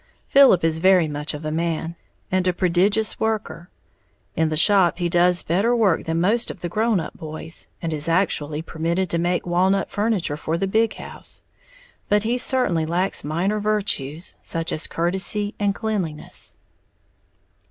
Philip is very much of a man, and a prodigious worker, in the shop he does better work than most of the grown up boys, and is actually permitted to make walnut furniture for the big house but he certainly lacks minor virtues, such as courtesy and cleanliness.